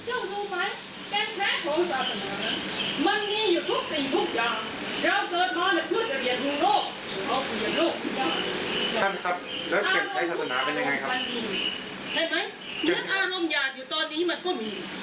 อารมณ์ก็มีใช่ไหมเนื้ออารมณ์หยาดอยู่ตอนนี้มันก็มี